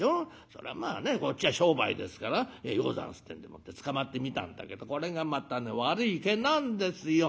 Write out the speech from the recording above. そらまあねこっちは商売ですから『ようござんす』ってんでもってつかまってみたんだけどこれがまた悪い毛なんですよ。